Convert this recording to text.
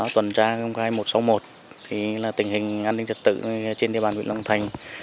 tuần tra công khai một trăm sáu mươi một tình hình an ninh trật tự trên địa bàn huyện long thành